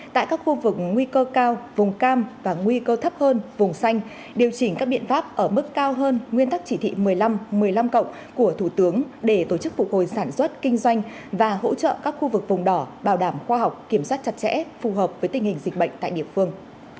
tại các khu vực nguy cơ cao vùng cam và nguy cơ thấp hơn vùng xanh điều chỉnh các biện pháp ở mức cao hơn nguyên tắc chỉ thị một mươi năm một mươi năm của thủ tướng để tổ chức phục hồi sản xuất kinh doanh và hỗ trợ các khu vực vùng đỏ bảo đảm khoa học kiểm soát chặt chẽ phù hợp với tình hình dịch bệnh tại địa phương